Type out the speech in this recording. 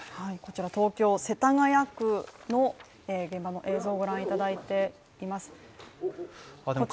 東京・世田谷区の現場の映像をご覧いただいています。